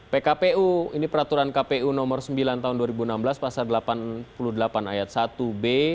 pkpu ini peraturan kpu nomor sembilan tahun dua ribu enam belas pasal delapan puluh delapan ayat satu b